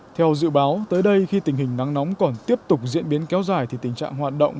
theo dự báo tới đây khi tình hình nắng nóng còn tiếp tục diễn biến kéo dài thì tình trạng hoạt động